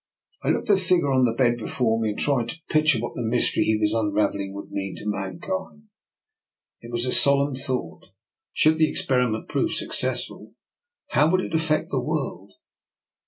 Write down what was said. I looked at the figure on the bed before me, and tried to pic ture what the mystery he was unravelling would mean to mankind. It was a solemn DR. NIKOLA'S EXPERIMENT. 191 thought. Should the experiment prove suc cessful, how would it affect the world?